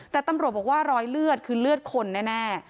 แต่ตำรวจบอกว่ารอยเลือดคือเลือดคนแน่